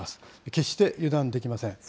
決して油断できません。